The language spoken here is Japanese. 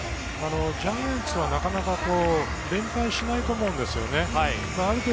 ジャイアンツは、なかなか連敗しないと思うんですよね。